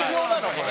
これ。